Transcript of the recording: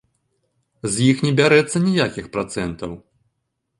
З іх не бярэцца ніякіх працэнтаў.